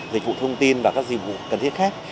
dịch vụ thông tin và các dịch vụ cần thiết khác